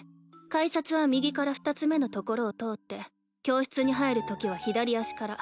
改札は右から２つ目の所を通って教室に入るときは左足から。